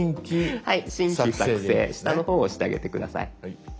はい「新規作成」下の方を押してあげて下さい。